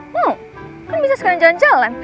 mau kan bisa sekalian jalan jalan